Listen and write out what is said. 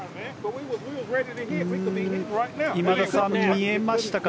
今田さん、見えましたか。